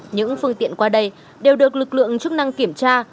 những phương tiện qua đây đều được lực lượng chức năng kiểm tra